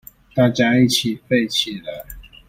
大家一起廢起來